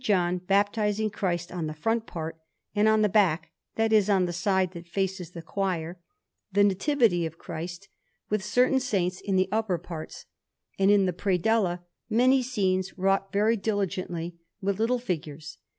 John baptizing Christ on the front part, and on the back that is, on the side that faces the choir the Nativity of Christ, with certain saints in the upper parts, and in the predella many scenes wrought very diligently with little figures.